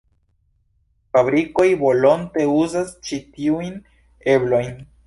Fabrikoj volonte uzas ĉi tiujn eblojn.